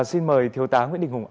xin mời thiếu tá nguyễn đình hùng ạ